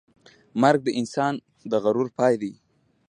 مرګ د انسان د غرور پای دی.